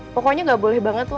pokoknya gak boleh banget tuh